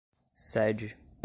sede